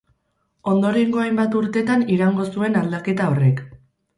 Ondorengo hainbat urtetan iraungo zuen aldaketa horrek.